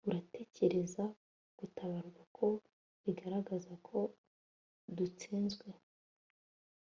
uratekereza gutabarwa ko bigaragara ko dutsinzwe